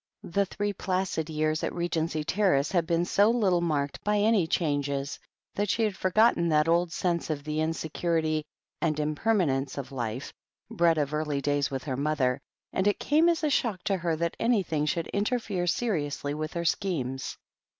The three placid years at Regency Terrace had been so little marked by any changes that she had forgotten that old sense of the insecurity and impermanence of life, bred of early days with her mother, and it came as a shock to her that anything should interfere seri ously with her schemes.